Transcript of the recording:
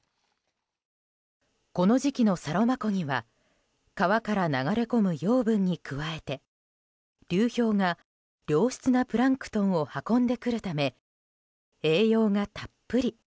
この時期のサロマ湖には川から流れ込む養分に加えて流氷が良質なプランクトンを運んでくるため栄養がたっぷり。